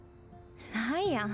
ライアン。